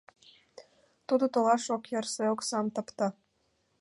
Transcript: — Тудо толаш ок ярсе, оксам тапта.